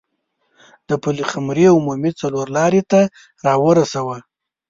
د پلخمري عمومي څلور لارې ته راورسوه.